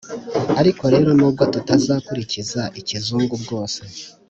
ariko rero n’ubwo tutazakurikiza ikizungu bwose,